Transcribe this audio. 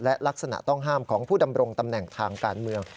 และลักษณะต้องห้ามของผู้ดำรงตำแหน่งทางการเมือง